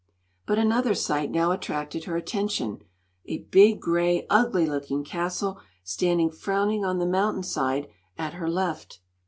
But another sight now attracted her attention a big, gray, ugly looking castle standing frowning on the mountain side at her left.